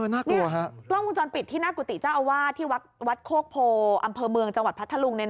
กล้องวงจรปิดที่หน้ากุฏิเจ้าอาวาสที่วัดโคกโพอำเภอเมืองจังหวัดพัทธลุง